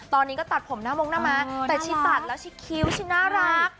ตอนนี้ก็ตัดผมหน้ามงหน้าม้าแต่ชิตัดแล้วชิดคิ้วชิน่ารัก